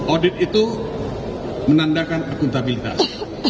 audit itu menandakan akuntabilitas